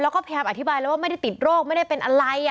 แล้วก็พยายามอธิบายแล้วว่าไม่ได้ติดโรคไม่ได้เป็นอะไร